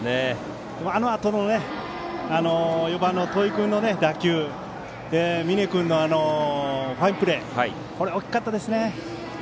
あのあとの４番の戸井君の打球と峯君のファインプレーが大きかったですね。